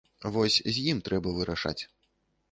Вось з ім трэба вырашаць.